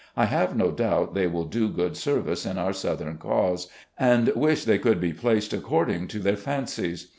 I have no doubt they will do good service in our Southern cause, and wish they could be placed according to their fancies.